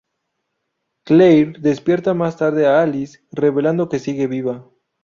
Claire despierta más tarde a Alice, revelando que sigue viva.